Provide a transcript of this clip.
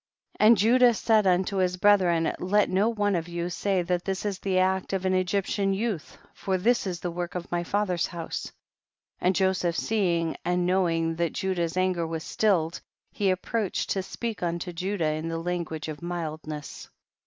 54. And Judah said unto his brethren, let no one of you say that this is the act of an Egyptian youth for this is the work of my father's house. 55. And Joseph seeing and know ing that Judah's anger was stilled, he approached to speak unto Judah in the language of mildness.